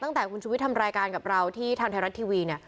ตั้งแต่คุณชุวิตทำรายการกับเราที่ทางไทยรัฐทีวีเนี่ย